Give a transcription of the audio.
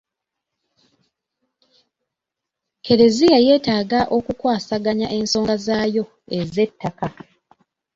Kleziya yeetaaga okukwasaganya ensonga zaayo ez'ettaka.